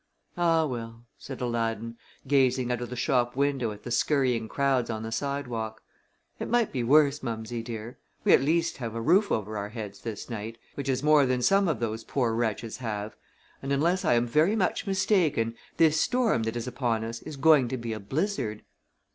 "Ah, well," said Aladdin, gazing out of the shop window at the scurrying crowds on the sidewalk, "it might be worse, Mummsy dear. We at least have a roof over our heads this night, which is more than some of those poor wretches have, and unless I am very much mistaken this storm that is upon us is going to be a blizzard."